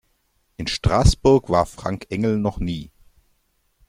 In Straßburg war Frank Engel noch nie.